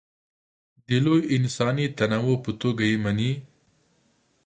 د لوی انساني تنوع په توګه یې مني.